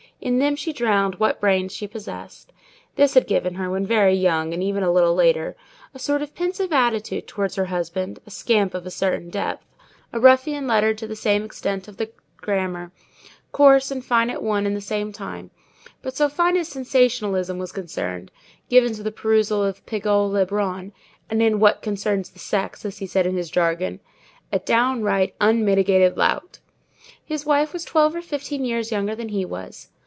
In them she drowned what brains she possessed. This had given her, when very young, and even a little later, a sort of pensive attitude towards her husband, a scamp of a certain depth, a ruffian lettered to the extent of the grammar, coarse and fine at one and the same time, but, so far as sentimentalism was concerned, given to the perusal of Pigault Lebrun, and "in what concerns the sex," as he said in his jargon—a downright, unmitigated lout. His wife was twelve or fifteen years younger than he was.